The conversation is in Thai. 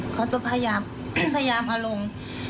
เขาจะพยายามเอาลง